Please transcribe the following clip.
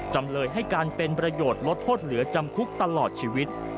จำเลยให้การเป็นประโยชน์ลดโทษเหลือจำคุกตลอดชีวิต